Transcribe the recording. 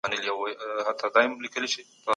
سياستپوه به څېړنه کړې وي.